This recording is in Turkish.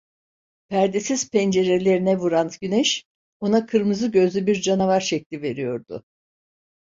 Perdesiz pencerelerine vuran güneş, ona kırmızı gözlü bir canavar şekli veriyordu.